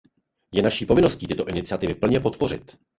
Je naší povinností tyto iniciativy plně podpořit.